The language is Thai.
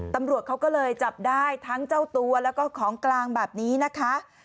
ตำรวจเขาก็เลยจับได้ทั้งเจ้าตัวแล้วก็ของกลางแบบนี้นะคะ